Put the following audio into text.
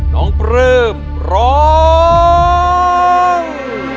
น้องเปิ้มร้อง